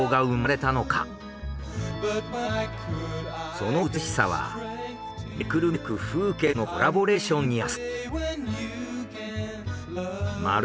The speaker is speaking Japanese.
その美しさはめくるめく風景とのコラボレーションにあります。